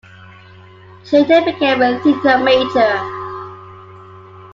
She later became a theater major.